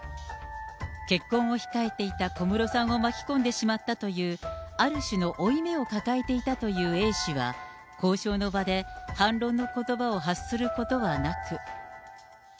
結婚を控えていた小室さんを巻き込んでしまったという、ある種の負い目を抱えていたというＡ氏は、交渉の場で、反論のことばを発することはなく。